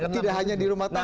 tidak hanya di rumah tangga